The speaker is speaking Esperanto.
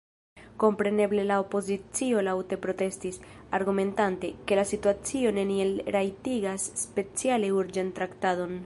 Kompreneble la opozicio laŭte protestis, argumentante, ke la situacio neniel rajtigas speciale urĝan traktadon.